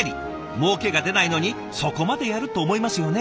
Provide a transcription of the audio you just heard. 「もうけが出ないのにそこまでやる？」と思いますよね？